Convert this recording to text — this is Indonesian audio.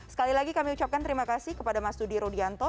sekali lagi kami ucapkan terima kasih kepada mas dudi rudianto